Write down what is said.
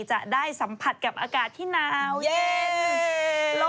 จะได้สัมผัสกับอากาศที่หนาวเย็น